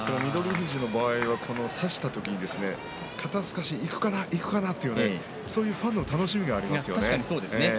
富士の場合は差した時に、肩すかしにいくかないくかなというファンの楽しみがありますよね。